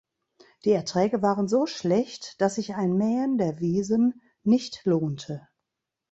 Die Erträge waren so schlecht, dass sich ein Mähen der Wiesen nicht lohnte.